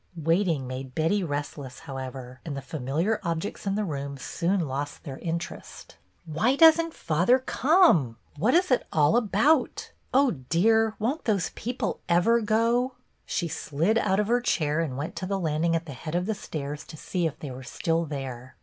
Waiting made Betty restless, however, and the familiar objects in the room soon lost their interest. 8 BETTY BAIRD " Why does n't father come ? What is it all about? Oh, dear, won't those people ever go? " She slid out of her chair and went to the landing at the head of the stairs to see if they were still there.